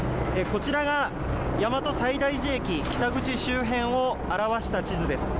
こちらが大和西大寺駅北口周辺を表した地図です。